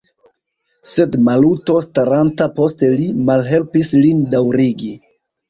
Sed Maluto, staranta post li, malhelpis lin daŭrigi.